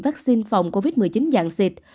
vaccine phòng covid một mươi chín dạng xịt